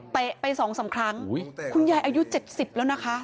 ไป๒๓ครั้งคุณยายอายุ๗๐แล้วนะคะ